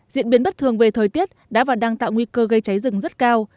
diễn biến bất thường về thời tiết đã và đang tạo nguy cơ gây cháy rừng rất cao